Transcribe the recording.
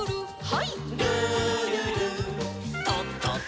はい。